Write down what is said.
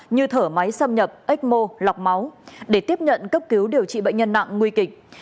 như thở máy xâm nhập ếch mô lọc máu để tiếp nhận cấp cứu điều trị bệnh nhân nặng nguy kịch